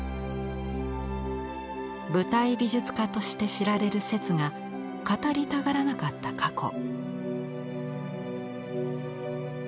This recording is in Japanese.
舞台美術家として知られる摂が語りたがらなかった過去。